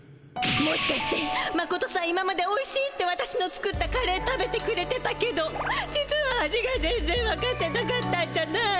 もしかしてマコトさん今まで「おいしい」って私の作ったカレー食べてくれてたけど実は味が全ぜんわかってなかったんじゃない？